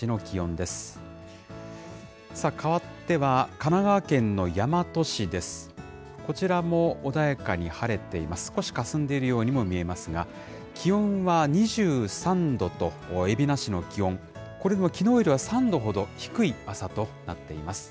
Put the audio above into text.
少しかすんでいるようにも見えますが、気温は２３度と、海老名市の気温、これもきのうよりは３度ほど低い朝となっています。